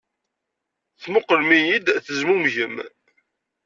Temmuqqlem-iyi-d, tezmumgem.